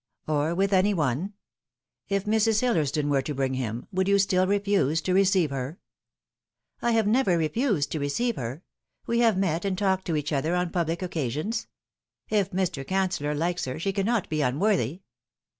" Or with any one ? If Mrs. Hillersdon were to bring him, would you still refuse to receive her ?"" I have never refused to receive her. We have met and talked to each other on public occasions. If Mr. Cancellor likes her she cannot be unworthy."